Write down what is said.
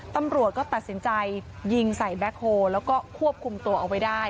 ตำรวจก็ตัดสินใจยิงใส่แบ็คโฮแล้วก็ควบคุมตัวเอาไว้ได้